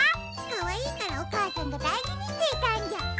かわいいからおかあさんがだいじにしていたんじゃ。